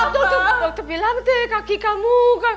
dokter bilang teh kaki kamu